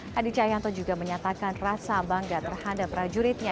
hadi cahyanto juga menyatakan rasa bangga terhadap prajuritnya